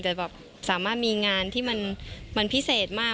จะสามารถมีงานที่มันพิเศษมาก